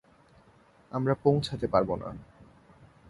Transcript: আমরা পৌঁছাতে পারবো না।